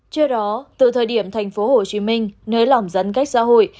trước đó từ thời điểm tp hcm nới lỏng giãn cách xã hội